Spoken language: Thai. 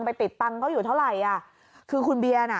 ไปติดตังค์เขาอยู่เท่าไหร่อ่ะคือคุณเบียร์น่ะ